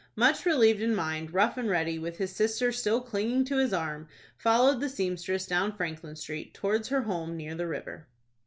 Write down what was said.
Much relieved in mind, Rough and Ready, with his sister still clinging to his arm, followed the seamstress down Franklin Street towards her home near the river.